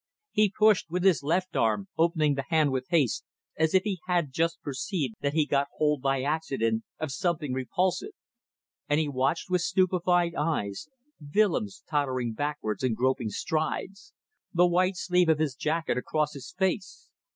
He pushed with his left arm, opening the hand with haste, as if he had just perceived that he got hold by accident of something repulsive and he watched with stupefied eyes Willems tottering backwards in groping strides, the white sleeve of his jacket across his face.